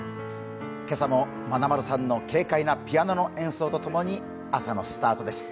今朝もまなまるさんの軽快なピアノとともに朝のスタートです。